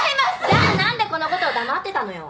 じゃあ何でこのことを黙ってたのよ？